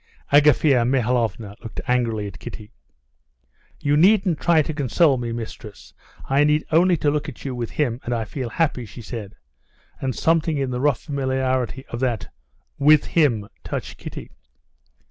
Agafea Mihalovna looked angrily at Kitty. "You needn't try to console me, mistress. I need only to look at you with him, and I feel happy," she said, and something in the rough familiarity of that with him touched Kitty.